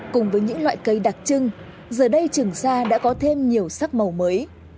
cùng với những loại cây đặc trưng giờ đây trường sa đã có thêm nhiều sắc màu mới